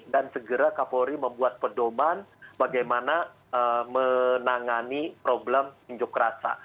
dan segera kapolri membuat pedoman bagaimana menangani problem penyukur rasa